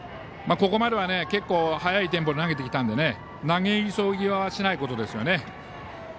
ここまでは結構速いテンポで投げてきたんで投げ急ぎはしないことですよね。